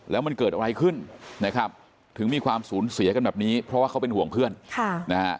แล้วมันเกิดอะไรขึ้นนะครับถึงมีความสูญเสียกันแบบนี้เพราะว่าเขาเป็นห่วงเพื่อนค่ะนะฮะ